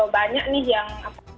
banyak nih yang